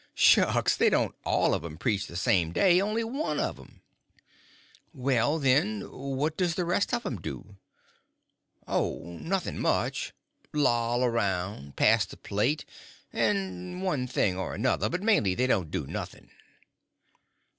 "Shucks, they don't all of 'em preach the same day—only one of 'em." "Well, then, what does the rest of 'em do?" "Oh, nothing much. Loll around, pass the plate—and one thing or another. But mainly they don't do nothing."